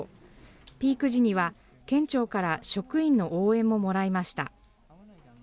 ピーク時には、県庁から職員の応援ももらいました。